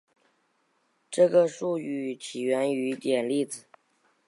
这个术语起源于点粒子被射向固体目标的经典物理图景。